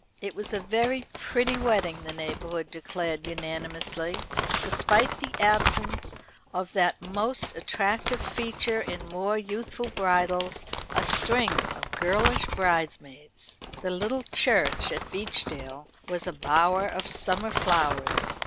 It was a very pretty wedding, the neighbourhood declared unanimously; despite the absence of that most attractive feature in more youthful bridals a string of girlish bridesmaids. The little church at Beechdale was a bower of summer flowers.